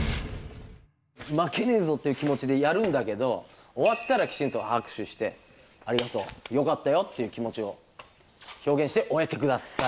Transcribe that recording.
まけねえぞっていう気もちでやるんだけどおわったらきちんとあく手してありがとうよかったよっていう気もちを表現しておえてください。